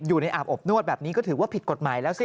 อาบอบนวดแบบนี้ก็ถือว่าผิดกฎหมายแล้วสิ